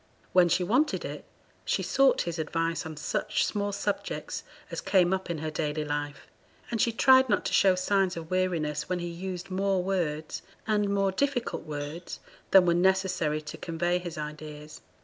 When she wanted it, she sought his advice on such small subjects as came up in her daily life; and she tried not to show signs of weariness when he used more words and more difficult words than were necessary to convey his ideas.